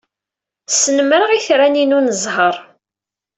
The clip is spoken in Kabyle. Snemmreɣ itran-inu n zzheṛ.